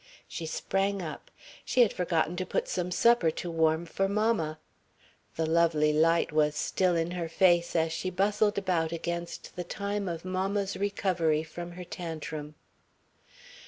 She sprang up. She had forgotten to put some supper to warm for mamma. The lovely light was still in her face as she bustled about against the time of mamma's recovery from her tantrim.